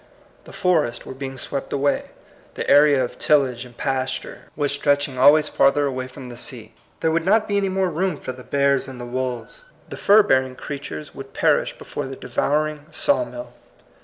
The forests were being swept away; the area of tillage and pasture was stretching always farther away from the sea. There would not be any more room for the bears and the wolves. The fur bearing creatures f 8 THE COMING PEOPLE. would perish before the devouring saw* mill.